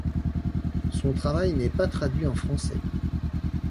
Son travail n'est pas traduit en français.